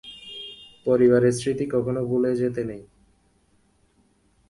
পরিবারের স্মৃতি কখনো ভুলে যেতে নেই।